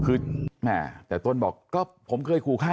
คือแม่แต่ต้นบอกก็ผมเคยขู่ฆ่า